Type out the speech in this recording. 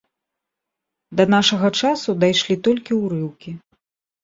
Да нашага часу дайшлі толькі ўрыўкі.